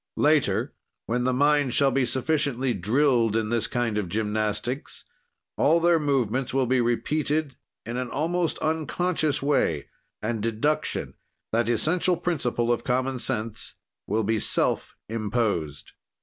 "Later, when the mind shall be sufficiently drilled in this kind of gymnastics, all their movements will be repeated in an almost unconscious way, and deduction, that essential principle of common sense, will be self imposed.